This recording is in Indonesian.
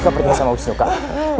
kau percaya sama usnu kau